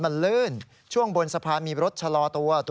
มันเดินโดรนบนสะพานมีรถชะลอตัว